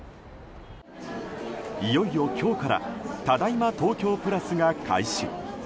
いよいよ今日からただいま東京プラスが開始。